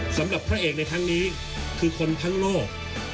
สำหรับพระเอกในครั้งนี้คือคนทั้งโลก